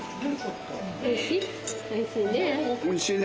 おいしい？